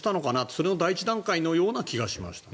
それの第１段階のような気がしました。